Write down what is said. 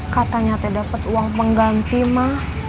katanya tidak dapat uang pengganti mah